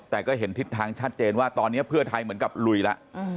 แต่ก็เห็นทิศทางชัดเจนว่าตอนนี้เพื่อไทยเหมือนกับลุยแล้ว